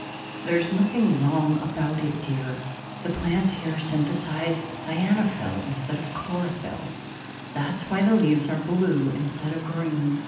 "There's nothing wrong about it, dear. The plants here synthesize cyanophyll instead of chlorophyll; that's why the leaves are blue instead of green.